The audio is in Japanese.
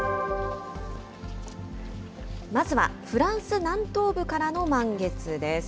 まずはフランス南東部からの満月です。